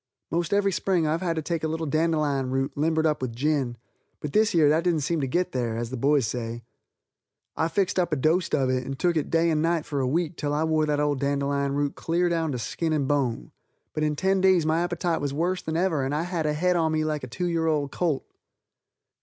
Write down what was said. Most every Spring I've had to take a little dandelion root, limbered up with gin, but this year that didn't seem to get there, as the boys say. I fixed up a dost of it and took it day and night for a week till I wore that old dandelion root clear down to skin and bone, but in ten days my appetite was worse than ever and I had a head on me like a 2 year old colt.